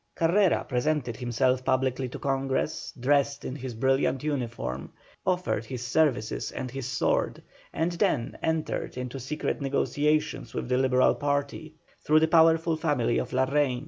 Carrera presented himself publicly to Congress, dressed in his brilliant uniform, offered his services and his sword, and then entered into secret negotiations with the Liberal party, through the powerful family of Larrain.